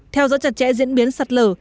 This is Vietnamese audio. theo dõi chặt chẽ diễn biến sạt lở